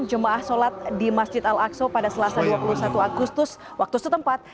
jemaah sholat di masjid al aqsa pada selasa dua puluh satu agustus waktu setempat